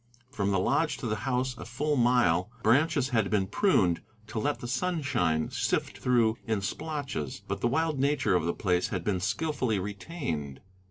From the lodge to the house, a full mile, branches had been pruned to let the sunshine sift through in splotches, but the wild nature of the place had been skilfully retained.